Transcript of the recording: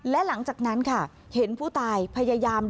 และหลังจากนั้นค่ะเห็นผู้ตายพยายาม